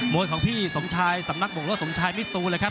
วยของพี่สมชายสำนักบกรถสมชายมิซูเลยครับ